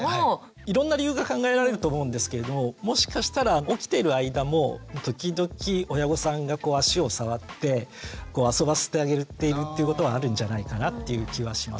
いろんな理由が考えられると思うんですけれどももしかしたら起きている間も時々親御さんが足を触って遊ばせてあげているっていうことはあるんじゃないかなっていう気はします。